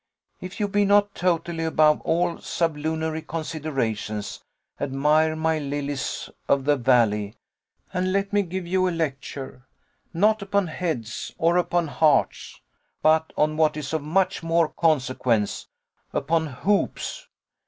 If you be not totally above all sublunary considerations, admire my lilies of the valley, and let me give you a lecture, not upon heads, or upon hearts, but on what is of much more consequence, upon hoops.